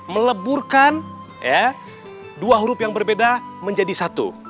meleburkan dua huruf yang berbeda menjadi satu